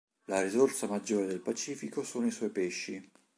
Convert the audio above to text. La risorsa maggiore del Pacifico sono i suoi pesci.